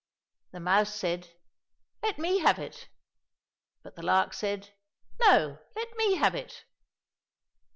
The mouse said, " Let me have it !" But the lark said, " No, let me have it